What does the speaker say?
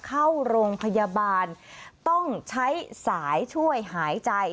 เข้าโรงพยาบาลต้องใช้สายช่วยหายใจ